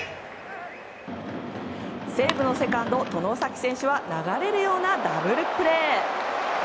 西武のセカンド、外崎選手は流れるようなダブルプレー。